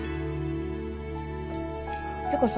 てかさ